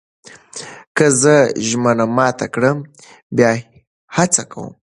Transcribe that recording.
که زه ژمنه مات کړم، بیا هڅه کوم.